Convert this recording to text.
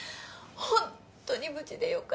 ホントに無事でよかった。